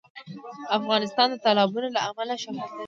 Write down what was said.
افغانستان د تالابونه له امله شهرت لري.